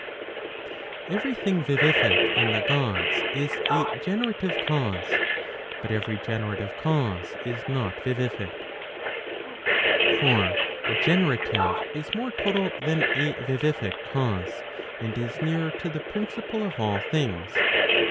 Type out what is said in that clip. Every thing vivific in the Gods is [a generative cause, but every generative cause is not vivific.'} For a generative is more total than a vivific cause, and is nearer to the principle of all things.